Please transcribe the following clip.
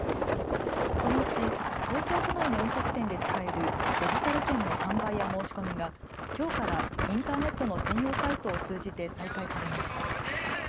このうち東京都内の飲食店で使えるデジタル券の販売や申し込みがきょうからインターネットの専用サイトを通じて再開されました。